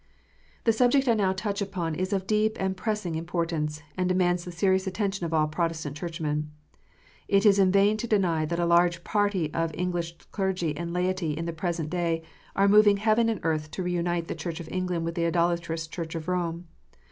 The subject I now touch upon is of deep and pressing im portance, and demands the serious attention of all Protestant Churchmen. It is vain to deny that a large party of English clergy and laity in the present day are moving heaven and earth to reunite the Church of England with the idolatrous Church of Rome.